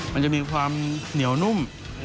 มันจะมีความเหนียวนุ่ม